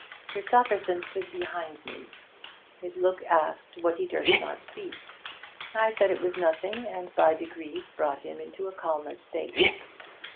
Christopherson stood behind me; his look asked what he durst not speak. I said it was nothing, and by degrees brought him into a calmer state.